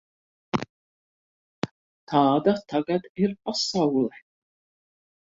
Tāda tagad ir pasaule.